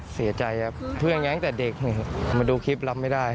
เสียใจครับเพื่อนแง้งแต่เด็กมาดูคลิปรับไม่ได้